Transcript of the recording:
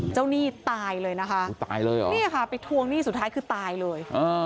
หนี้ตายเลยนะคะตายเลยเหรอนี่ค่ะไปทวงหนี้สุดท้ายคือตายเลย